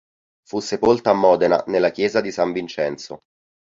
Fu sepolta a Modena, nella chiesa di San Vincenzo.